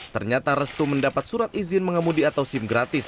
ternyata restu mendapat surat izin mengemudi atau sim gratis